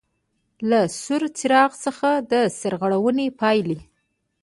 له سور څراغ څخه د سرغړونې پاېلې: